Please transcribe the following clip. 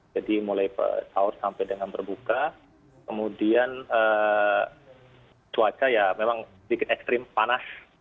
jadi mulai saat sampai dengan berbuka kemudian cuaca ya memang sedikit ekstrim panas